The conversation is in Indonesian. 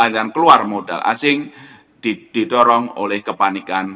dan keluar modal asing didorong oleh kepanikan